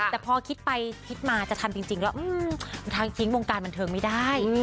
แต่พอคิดไปคิดมาจะทำจริงแล้วทางทิ้งวงการบันเทิงไม่ได้